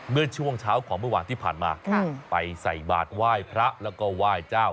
เมื่อช่วงเช้าของเมื่อวานที่ผ่านมาไปใส่บาทไหว้พระแล้วก็ไหว้เจ้า